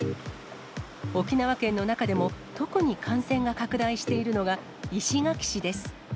沖縄県の中でも、特に感染が拡大しているのが、石垣市です。